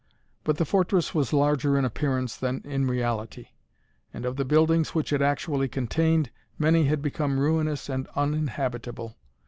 But the fortress was larger in appearance than in reality; and of the buildings which it actually contained, many had become ruinous and uninhabitable.